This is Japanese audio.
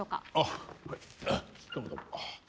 どうもどうも。